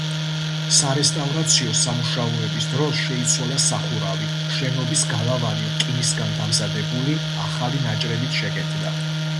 სარესტავრაციო სამუშაოების დროს შეიცვალა სახურავი, შენობის გალავანი რკინისგან დამზადებული ახალი ნაჭრებით შეკეთდა.